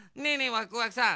ワクワクさん。